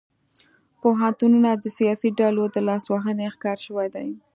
پوهنتونونه د سیاسي ډلو د لاسوهنې ښکار شوي دي